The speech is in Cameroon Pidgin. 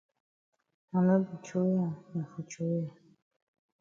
I no be throwey am na for throwey am.